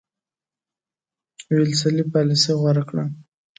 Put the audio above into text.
ویلسلي پالیسي غوره کړه.